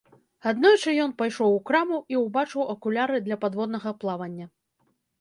Аднойчы ён пайшоў у краму і ўбачыў акуляры для падводнага плавання.